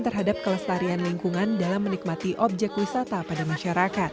terhadap kelestarian lingkungan dalam menikmati objek wisata pada masyarakat